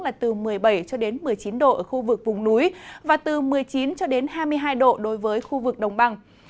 là từ một mươi bảy cho đến một mươi chín độ ở khu vực vùng núi và từ một mươi chín cho đến hai mươi hai độ đối với khu vực đồng bằng